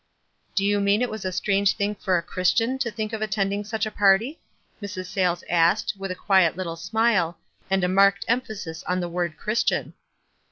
s " Do you meau it was a strange thing for a Christian to think of attending such a party?" WISE AND OTHERWISE. 283 Mrs. Sayles asked, with a quiet little smile, and a marked emphasis on the word "Christian."